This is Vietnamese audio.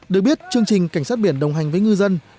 được đồng hành với cảnh sát biển đồng hành với ngư dân